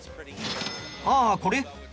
ああこれ？